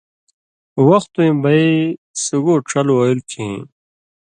وختُویں بئ سُگو ڇل وَیلوۡ کِھیں